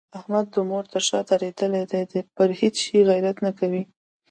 احمد مور تر شا رودلې ده؛ پر هيڅ شي غيرت نه کوي.